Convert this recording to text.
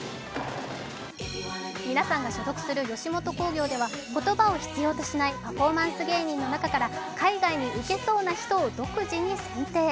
皆さんが所属する吉本興業ではパフォーマンス芸人の中から海外にウケそうな人を独自に選定。